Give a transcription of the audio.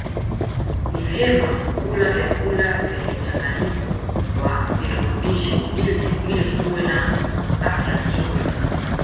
Ni vyema kula vyakula vyenye mchanganyiko wa virutubisho ili mwili uwe na afya nzuri